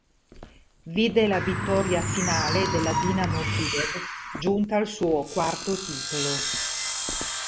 Vide la vittoria finale della Dinamo Kiev, giunta al suo quarto titolo.